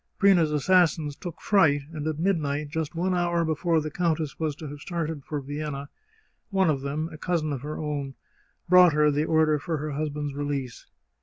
Prina's assassins took fright, and at midnight, just one hour before the countess was to have started for Vienna, one of them, a cousin of her own, brought her the order for her husband's release.